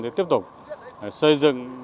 để tiếp tục xây dựng